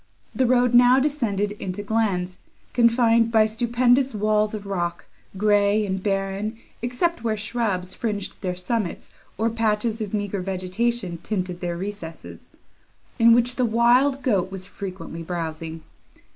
The road now descended into glens, confined by stupendous walls of rock, grey and barren, except where shrubs fringed their summits, or patches of meagre vegetation tinted their recesses, in which the wild goat was frequently browsing.